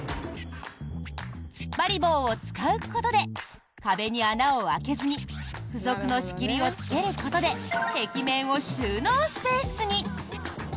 突っ張り棒を使うことで壁に穴を開けずに付属の仕切りをつけることで壁面を収納スペースに！